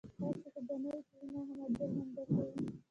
هسې خو به نه وي چې زما هم اجل همدلته وي؟